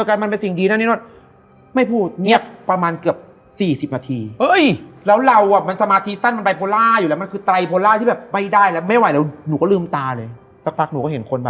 ขนลุกพนวยกับโทษนะฮะ